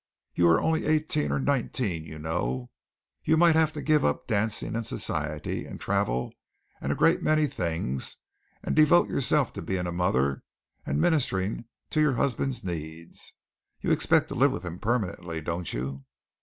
You are only eighteen or nineteen, you know. You might have to give up dancing and society, and travel, and a great many things, and devote yourself to being a mother and ministering to your husband's needs. You expect to live with him permanently, don't you?"